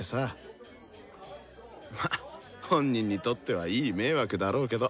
まあ本人にとってはいい迷惑だろうけど。